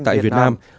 tại việt nam